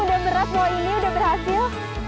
udah beras mau ini udah berhasil